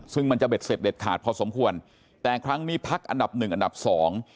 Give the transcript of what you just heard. ซึ่งมันจะเด็ดเสร็จเด็ดขาดพอสมควรแต่ครั้งนี้พักอันดับหนึ่งอันดับสอง